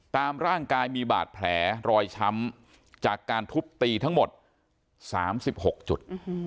ตามร่างกายมีบาดแผลรอยช้ำจากการทุบตีทั้งหมด๓๖จุด